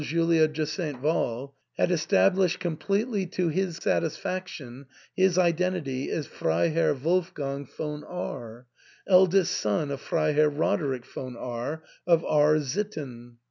Julia de StVal, had estab lished completely to his satisfaction his identity as Frei herr Wolfgang von R , eldest son of Freiherr Roder ick von R of R — sitten.